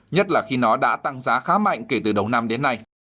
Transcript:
nhất là khi nó đã tăng giá khá mạnh kể từ đầu năm đến nay